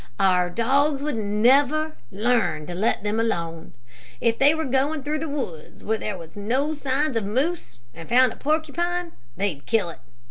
Our dogs would never learn to let them alone. If they were going through the woods where there were no signs of moose and found a porcupine, they'd kill it.